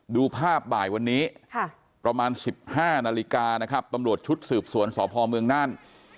ดูภาพบ่ายวันนี้ประมาณ๑๕นาฬิกานะครับตำรวจชุดสืบสวนสพเมืองน่าน